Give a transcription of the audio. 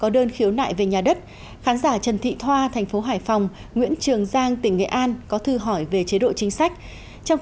đào văn hùng tỉnh đắk nông